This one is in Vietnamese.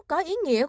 có ý nghĩa